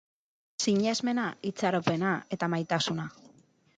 Sinesmena, itxaropena eta maitasuna.